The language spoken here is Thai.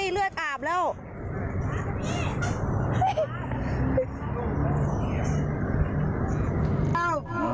เห้ยเลือดอาบแล้ว